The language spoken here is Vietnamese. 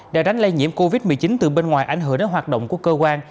để tránh lây nhiễm covid một mươi chín từ bên ngoài ảnh hưởng đến hoạt động của cơ quan